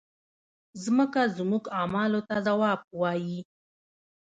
مځکه زموږ اعمالو ته ځواب وایي.